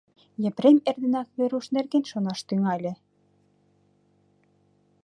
Епрем эрденак Веруш нерген шонаш тӱҥале.